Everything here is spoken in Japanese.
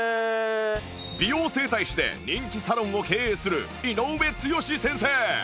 美容整体師で人気サロンを経営する井上剛志先生